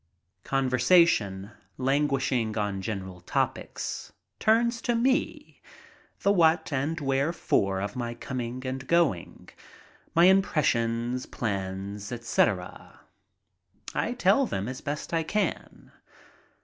Conversation, languishing on general topics, turns to me, the what and wherefore of my coming and going, my impres sions, plans, etc. I tell them as best I can.